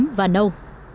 tím và nâu